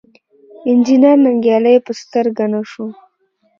انجنیر ننګیالی په سترګه نه شو.